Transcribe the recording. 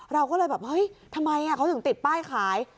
เราก็เลยแบบเฮ้ยทำไมเขาถึงติดป้ายขาย